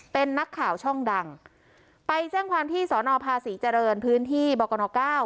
เป็นนักข่าวช่องดังไปแจ้งความที่สอนอภาษีเจริญพื้นที่บกนเก้า